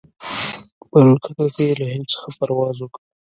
په الوتکه کې یې له هند څخه پرواز وکړ.